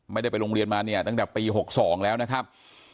ไม่ได้ไปโรงเรียนมาเนี่ยตั้งแต่ปี๖๒แล้วนะครับ